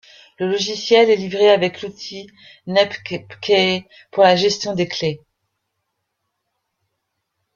Le logiciel est livré avec l'outil netpgpkeys pour la gestion des clés.